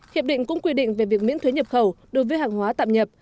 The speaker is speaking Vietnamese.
hiệp định cũng quy định về việc miễn thuế nhập khẩu đối với hàng hóa tạm nhập